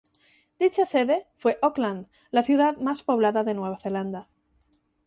Dicha sede fue Auckland, la ciudad más poblada de Nueva Zelanda.